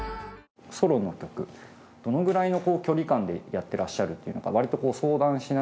ソロの曲どのぐらいの距離感でやってらっしゃるっていうのか割とこう相談しながら？